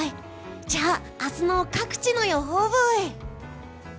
じゃあ明日の各地の予報ブイ。